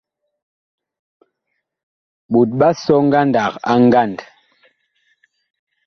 Ɓot ɓa sɔ ngandag a ngand.